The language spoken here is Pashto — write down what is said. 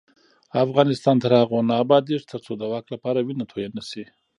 افغانستان تر هغو نه ابادیږي، ترڅو د واک لپاره وینه تویه نشي.